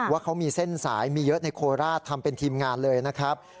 ว่าเขามีเส้นสายมีเยอะในโคราชทำเป็นทีมงานเลยนะครับ